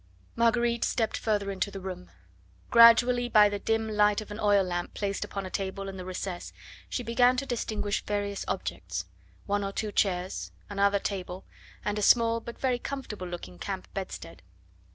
Marguerite stepped further into the room. Gradually by the dim light of an oil lamp placed upon a table in the recess she began to distinguish various objects: one or two chairs, another table, and a small but very comfortable looking camp bedstead.